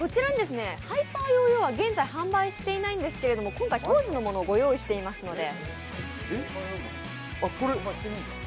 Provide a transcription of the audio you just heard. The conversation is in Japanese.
ハイパーヨーヨーは現在販売していないんですけれども、今回当時のものをご用意していますので。